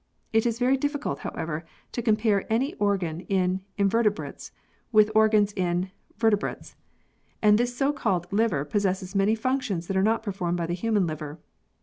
It is very difficult, however, to compare any organ in Inverte brates with organs in Vertebrates, and this so called liver possesses many functions that are not performed by the human liver.